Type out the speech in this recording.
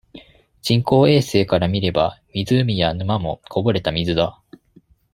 人工衛星から見れば、湖や沼も、こぼれた水だ。